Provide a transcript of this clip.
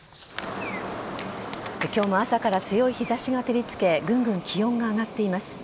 今日も朝から強い日差しが照りつけぐんぐん気温が上がっています。